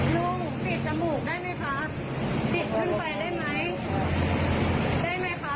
ลุงปิดจมูกได้ไหมคะปิดขึ้นไปได้ไหมได้ไหมคะ